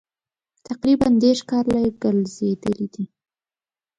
تقریبا دېرش کاله یې ګرځېدلي دي.